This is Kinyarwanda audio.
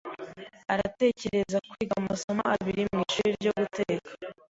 Aratekereza kwiga amasomo abiri mwishuri ryo guteka.